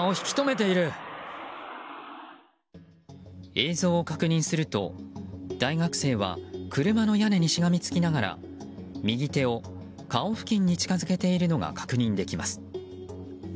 映像を確認すると大学生は車の屋根にしがみつきながら右手を顔付近に近づけているのが確認できます。